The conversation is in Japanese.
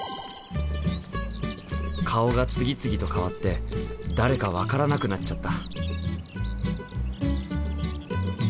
顔が次々と変わって誰か分からなくなっちゃった。